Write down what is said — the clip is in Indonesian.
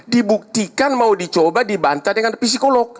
dibuktikan mau dicoba dibantah dengan psikolog